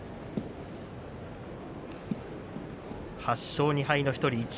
８勝２敗の１人、一